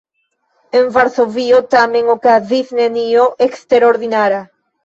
En Varsovio tamen okazis nenio eksterordinara.